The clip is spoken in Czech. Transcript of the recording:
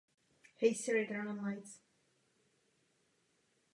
Jsi majetkem státu.